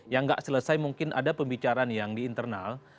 yang nggak selesai mungkin ada pembicaraan yang di internal